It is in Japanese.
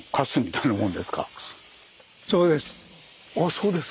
そうです。